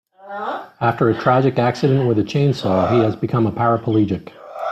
After a tragic accident with a chainsaw he has become a paraplegic.